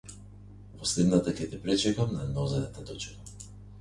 Во следната ќе те пречекам, на нозе да те дочекам.